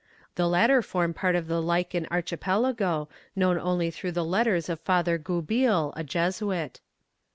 The latter form part of the Liken Archipelago, known only through the letters of Father Goubil, a Jesuit.